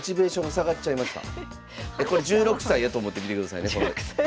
これ１６歳やと思って見てくださいね。